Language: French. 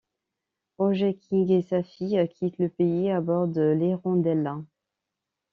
Roger King et sa fille quittent le pays à bord de l'Hirondella.